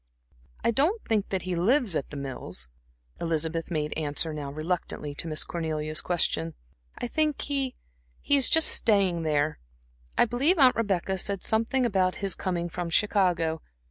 "I don't think he lives at The Mills," Elizabeth made answer now reluctantly to Miss Cornelia's question. "I think he he is just staying there I believe Aunt Rebecca said something about his coming from Chicago.